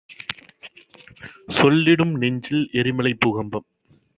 சொல்லிடும் நெஞ்சில் எரிமலை பூகம்பம்